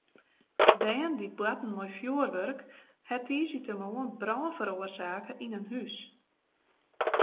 Bern dy't boarten mei fjurwurk hawwe tiisdeitemoarn brân feroarsake yn in hús.